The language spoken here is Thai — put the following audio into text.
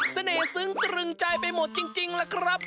ซึ้งตรึงใจไปหมดจริงล่ะครับ